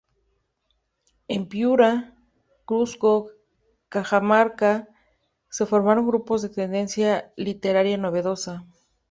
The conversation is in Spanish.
En Piura, Cuzco, Cajamarca, se formaron grupos de tendencia literaria novedosa.